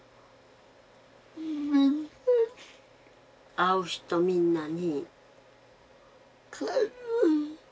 「会う人みんなに」